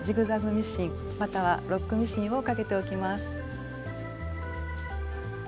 ミシンまたはロックミシンをかけておきます。